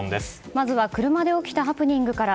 まずは車で起きたハプニングから。